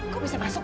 kok bisa masuk